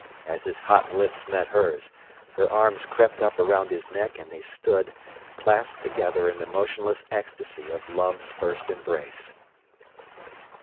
As his hot lips met hers, her arms crept up around his neck and they stood, clasped together in the motionless ecstasy of love's first embrace.